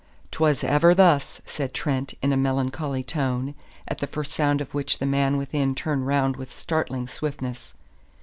"'Twas ever thus," said Trent in a melancholy tone, at the first sound of which the man within turned round with startling swiftness.